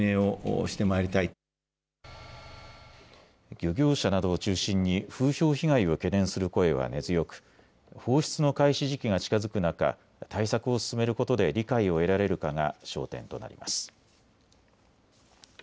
漁業者などを中心に風評被害を懸念する声は根強く、放出の開始時期が近づく中、対策を進めることで理解を得られるかが焦点となります。